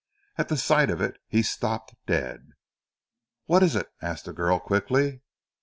At the sight of it he stopped dead. "What is it?" asked the girl quickly.